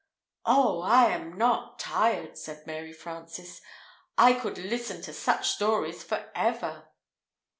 "Oh, I am not tired," said Mary Frances; "I could listen to such stories forever."